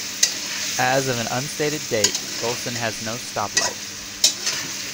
As of an unstated date, Gholson has no stoplight.